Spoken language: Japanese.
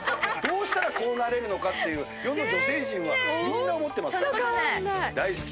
どうしたらこうなれるのかっていう世の女性陣はみんな思ってますから。